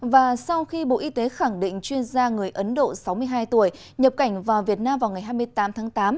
và sau khi bộ y tế khẳng định chuyên gia người ấn độ sáu mươi hai tuổi nhập cảnh vào việt nam vào ngày hai mươi tám tháng tám